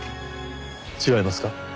違いますか？